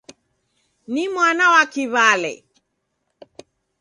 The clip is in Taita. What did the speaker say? Ni mwana kiwale!